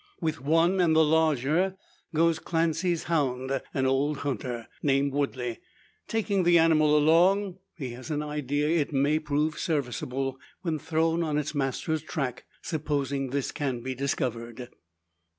With one and the larger, goes Clancy's hound; an old hunter, named Woodley, taking the animal along. He has an idea it may prove serviceable, when thrown on its master's track supposing this can be discovered.